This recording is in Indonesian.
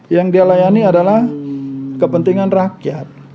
yang dia layani adalah kepentingan rakyat